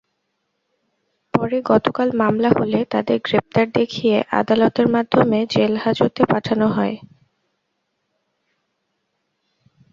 পরে গতকাল মামলা হলে তাঁদের গ্রেপ্তার দেখিয়ে আদালতের মাধ্যমে জেলহাজতে পাঠানো হয়।